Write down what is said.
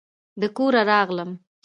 د کوره راغلم